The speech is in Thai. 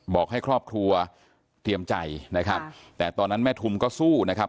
บอกให้ครอบครัวเตรียมใจนะครับแต่ตอนนั้นแม่ทุมก็สู้นะครับ